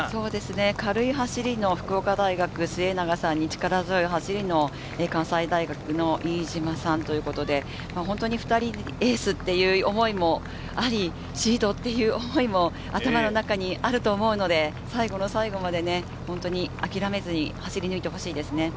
軽い走りの福岡大学の末永さんに、力強い走りの関西大学の飯島さん、２人エースという思いもあり、シードという思いも頭の中にあると思うので、最後の最後まで諦めずに走り抜いてほしいですね。